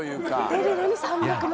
出るのに３００万。